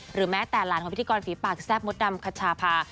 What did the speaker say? แม้แต่หลานของพิธีกรฝีปากแซ่บมดดำคัชภา